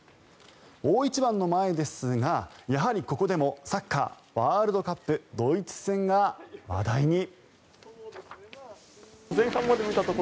大一番の前ですがやはりここでもサッカーワールドカップドイツ戦が話題に。